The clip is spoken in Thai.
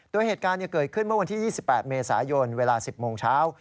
โดยเหตุการณ์เกิดขึ้นเมื่อวันที่๒๘เมษายนเวลา๑๐โมงเช้า